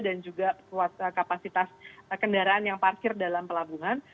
dan juga kapasitas kendaraan yang parkir dalam pelabungan